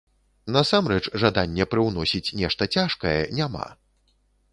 Насамрэч, жадання прыўносіць нешта цяжкае няма.